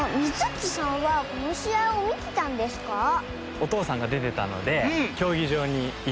おとうさんがでてたのできょうぎじょうにいって。